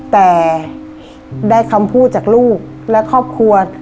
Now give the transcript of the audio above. แต่ได้คำพูดจากลูกและครอบครัว